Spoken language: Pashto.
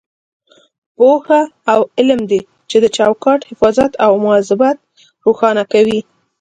پوهه او علم دی چې د چوکاټ حفاظت او مواظبت روښانه کوي.